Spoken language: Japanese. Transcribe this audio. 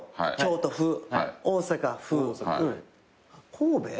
神戸？